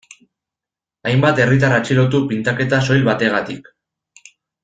Hainbat herritar atxilotu pintaketa soil bategatik.